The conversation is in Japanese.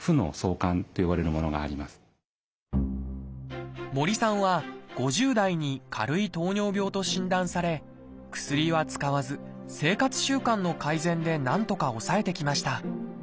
でも森さんは５０代に軽い糖尿病と診断され薬は使わず生活習慣の改善でなんとか抑えてきました。